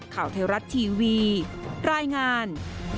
ข่าวไทยรัฐทีวีรายงาน